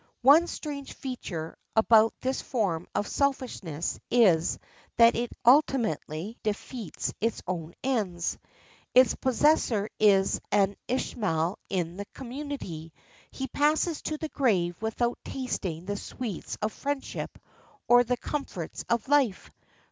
One strange feature about this form of selfishness is that it ultimately defeats its own ends. Its possessor is an Ishmael in the community. He passes to the grave without tasting the sweets of friendship or the comforts of life.